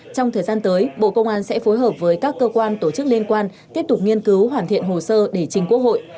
trong thời gian tới bộ công an sẽ phối hợp với các cơ quan tổ chức liên quan tiếp tục nghiên cứu hoàn thiện hồ sơ để trình quốc hội